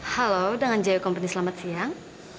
halo dengan jaya komprni selamat siang